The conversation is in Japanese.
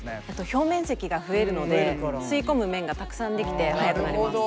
表面積が増えるので吸い込む面がたくさんできて速くなります。